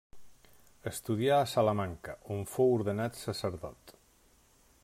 Estudià a Salamanca, on fou ordenat sacerdot.